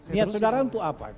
niat saudara untuk apa